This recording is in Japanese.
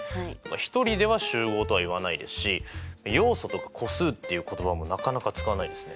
１人では集合とは言わないですし要素とか個数っていう言葉もなかなか使わないですね。